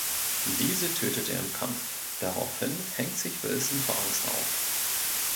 Diese tötet er im Kampf, daraufhin hängt sich Wilson vor Angst auf.